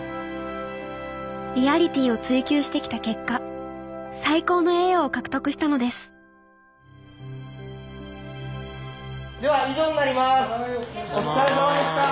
リアリティーを追求してきた結果最高の栄誉を獲得したのですでは以上になりますお疲れさまでした！